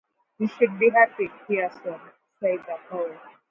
"You should be happy, Pearson," said the Poet.